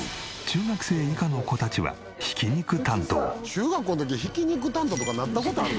中学校の時ひき肉担当とかなった事ある？